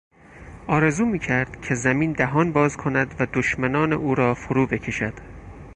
آرزو میکرد که زمین دهان باز کند و دشمنان او را فروبکشد.